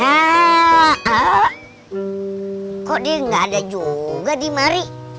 ah kok dia gak ada juga dimari